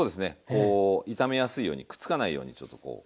こう炒めやすいようにくっつかないようにちょっとこう。